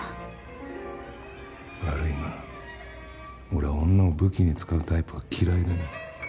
悪いが俺は女を武器に使うタイプは嫌いでね。